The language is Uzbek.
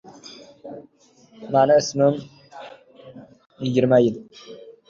Markus Zyoder O‘zbekiston bosh vaziriga "Bavariya" futbol klubi libosini sovg‘a qildi